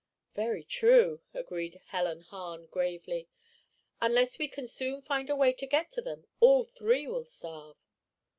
"Very true," agreed Helen Hahn, gravely. "Unless we can soon find a way to get to them, all three will starve."